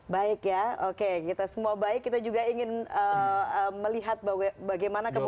baik ya oke kita semua baik kita juga ingin melihat bagaimana kemudian